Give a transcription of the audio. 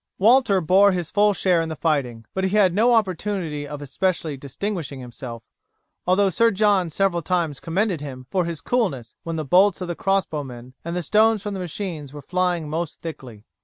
Walter bore his full share in the fighting, but he had no opportunity of especially distinguishing himself, although Sir John several times commended him for his coolness when the bolts of the crossbow men and the stones from the machines were flying most thickly.